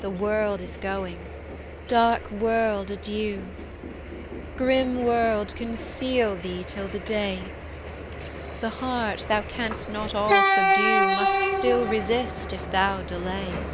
The world is going; dark world, adieu! Grim world, conceal thee till the day; The heart thou canst not all subdue Must still resist, if thou delay!